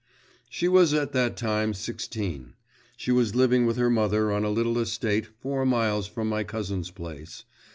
She was at that time sixteen. She was living with her mother on a little estate four miles from my cousin's place.